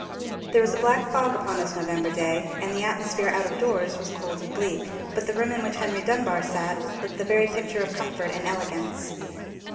There was a black fog upon this November day, and the atmosphere out of doors was cold and bleak. But the room in which Henry Dunbar sat looked the very picture of comfort and elegance.